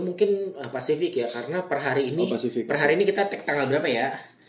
mungkin pacific ya karena per hari ini kita tanggal berapa ya